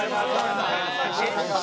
決勝